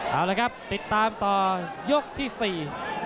เอาละครับติดตามต่อยกที่สี่